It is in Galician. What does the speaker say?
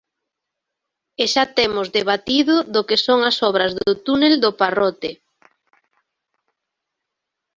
E xa temos debatido do que son as obras do túnel do Parrote.